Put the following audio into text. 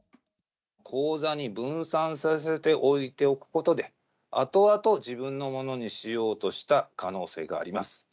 口座に分散させて置いておくことで、後々自分のものにしようとした可能性があります。